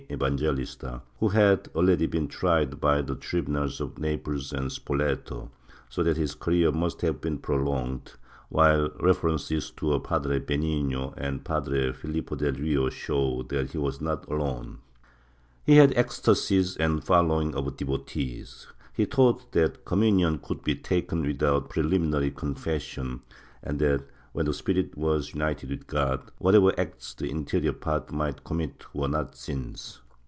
Evangelista, vv'ho had already been tried by the tri bunals of Naples and Spoleto, so that his career must have been prolonged, while references to a Padre Benigno and a Padre Filippo del Rio show that he was not alone. He had ecstasies and a following of devotees; he taught that communion could be taken without preliminary confession and that, when the spirit was united with God, whatever acts the inferior part might commit were not sins.